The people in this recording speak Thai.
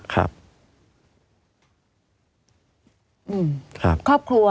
ครับ